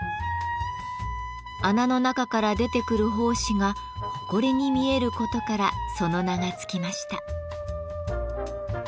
穴の中から出てくる胞子がホコリに見えることからその名が付きました。